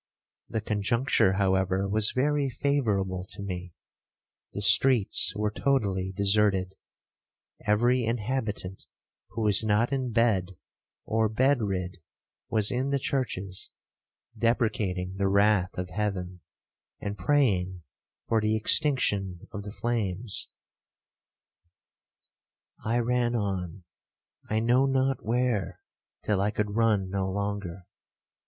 The conjuncture, however, was very favourable to me—the streets were totally deserted;—every inhabitant who was not in bed, or bed rid, was in the churches, deprecating the wrath of heaven, and praying for the extinction of the flames. 'I ran on, I know not where, till I could run no longer.